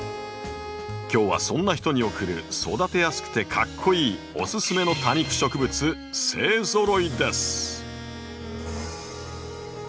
今日はそんな人におくる育てやすくてかっこイイおススメの多肉植物勢ぞろいです。